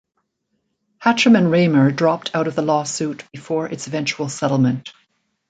Hachem and Raymer dropped out of the lawsuit before its eventual settlement.